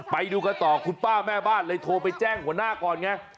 ไปดูกันต่อคุณป้าแม่บ้านเลยโทรไปแจ้งหัวหน้าก่อนไง